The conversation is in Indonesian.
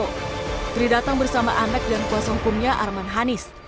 putri datang bersama anak dan kuasa hukumnya arman hanis